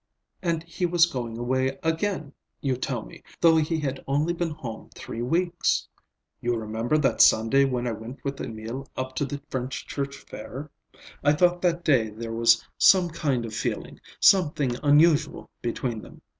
And he was going away again, you tell me, though he had only been home three weeks. You remember that Sunday when I went with Emil up to the French Church fair? I thought that day there was some kind of feeling, something unusual, between them.